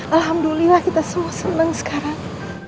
alhamdulillah kita semua senang sekarang